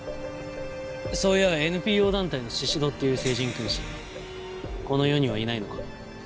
そういやＮＰＯ団体の宍戸っていう聖人君子この世にはいないのか？